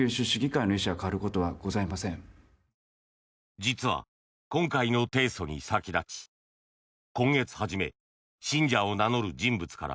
実は、今回の提訴に先立ち今月初め、信者を名乗る人物から